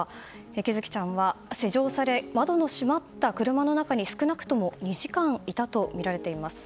喜寿生ちゃんは施錠され窓の閉まった車の中に少なくとも２時間いたとみられています。